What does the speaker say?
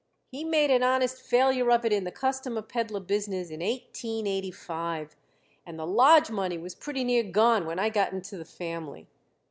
He made an honest failure of it in the customer peddler business in eighteen eighty five, and the lodge money was pretty near gone when I got into the family.